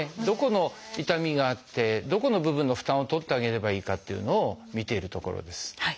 どこの痛みがあってどこの部分の負担を取ってあげればいいかっていうのを見ているところです。